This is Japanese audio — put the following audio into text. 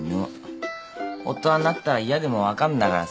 大人になったら嫌でも分かんだからさ。